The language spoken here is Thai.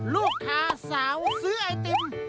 ลูกค้าสาวซื้อไอติม